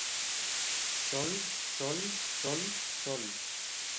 Sol, sol, sol, sol!